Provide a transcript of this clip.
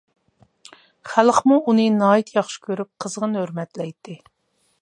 خەلقمۇ ئۇنى ناھايىتى ياخشى كۆرۈپ، قىزغىن ھۆرمەتلەيتتى.